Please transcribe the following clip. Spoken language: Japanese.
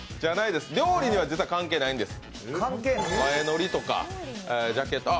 料理には実は関係ないんです。